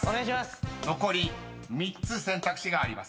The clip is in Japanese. ［残り３つ選択肢があります］